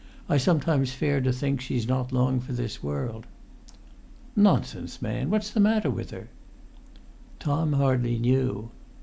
I sometimes fare to think she's not long for this world." "Nonsense, man! What's the matter with her?" Tom hardly knew.